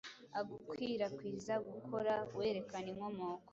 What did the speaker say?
agukwirakwiza gukora werekana inkomoko